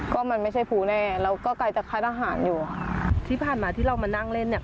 ก็มันไม่ใช่ผู้แน่แล้วก็ใกล้จากคล้ายอาหารอยู่ที่ผ่านมาที่เรามานั่งเล่นเนี่ย